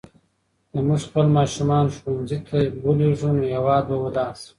که موږ خپل ماشومان ښوونځي ته ولېږو نو هېواد به ودان شي.